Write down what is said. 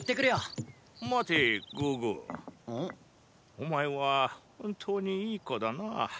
お前は本当にいい子だな。